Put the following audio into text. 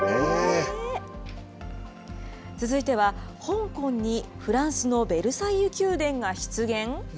続いては、香港にフランスのベルサイユ宮殿が出現？